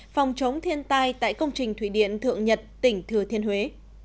phòng chống thiên tai tại công trình thủy điện thượng nhật tỉnh thừa thiên huế